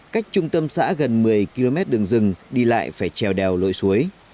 cách trung tâm xã gần một mươi km đường rừng đi lại phải trèo đèo lội suối